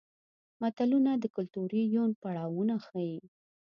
متلونه د کولتوري یون پړاوونه ښيي